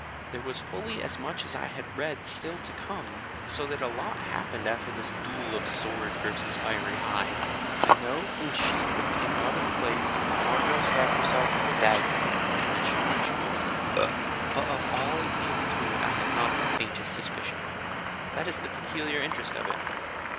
There was fully as much as I had read still to come, so that a lot happened after this duel of Sword v. Fiery Eye. I know from a sheet that came out of place that Margot stabbed herself with a dagger ("richly jewelled"), but of all that came between I have not the faintest suspicion. That is the peculiar interest of it.